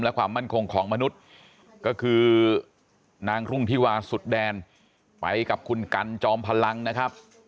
และความมั่นคงของมนุษย์ก็คือนางรุ่งธิวาสุดแดนไปกับคุณกันจอมพลังนะครับ